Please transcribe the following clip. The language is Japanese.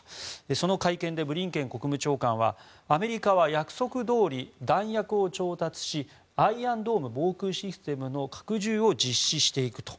その会見でブリンケン国務長官はアメリカは約束どおり弾薬を調達しアイアンドーム防空システムの拡充を実施していくと。